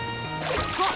あっ！